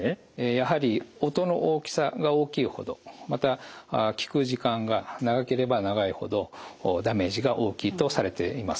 やはり音の大きさが大きいほどまた聴く時間が長ければ長いほどダメージが大きいとされています。